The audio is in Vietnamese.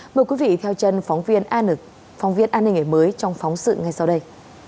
mời quý vị theo chân phóng viên an nghệ mới trong phóng sự ngay sau đây